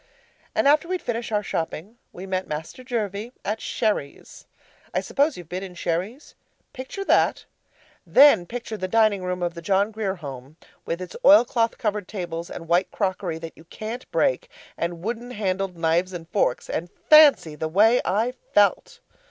And after we'd finished our shopping, we met Master Jervie at Sherry's. I suppose you've been in Sherry's? Picture that, then picture the dining room of the John Grier Home with its oilcloth covered tables, and white crockery that you CAN'T break, and wooden handled knives and forks; and fancy the way I felt!